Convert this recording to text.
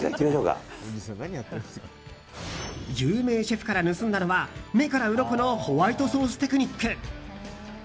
有名シェフから盗んだのは目からうろこのホワイトソーステクニック。